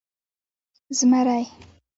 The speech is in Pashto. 🦬 زمری